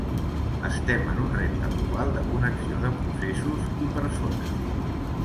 Estem en un repte global de connexió de processos i persones.